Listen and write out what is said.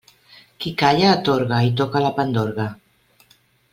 Qui calla atorga i toca la pandorga.